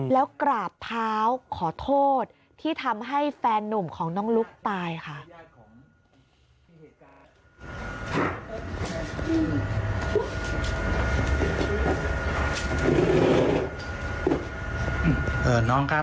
แล้วกราบเท้าขอโทษที่ทำให้แฟนนุ่มของน้องลุ๊กตายค่ะ